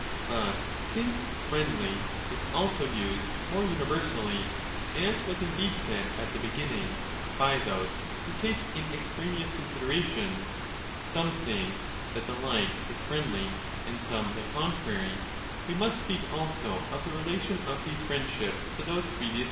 But since ' friendly' is also used more universally, as was 5 indeed said at the beginning,* by those who take in ex traneous considerations — some saying that the like is friendly, and some the contrary, — we must speak also of the relation of these friendships to those previously 6 1240* 7 = E.